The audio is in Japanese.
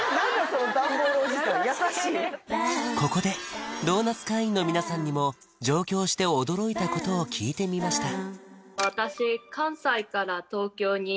そのダンボールおじさん優しいここでドーナツ会員の皆さんにも上京して驚いたことを聞いてみました